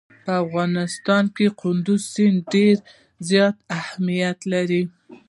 په افغانستان کې کندز سیند ډېر زیات اهمیت لري.